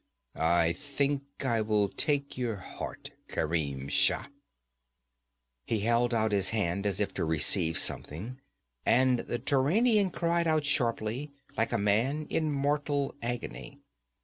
I think I will take your heart, Kerim Shah!' He held out his hand as if to receive something, and the Turanian cried out sharply like a man in mortal agony.